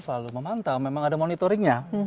selalu memantau memang ada monitoringnya